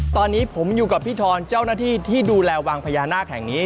ตอนนี้ผมอยู่กับพี่ทรเจ้าหน้าที่ที่ดูแลวังพญานาคแห่งนี้